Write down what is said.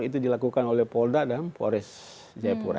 itu dilakukan oleh polda dan polres jayapura